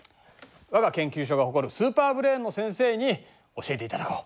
我が研究所が誇るスーパーブレーンの先生に教えていただこう。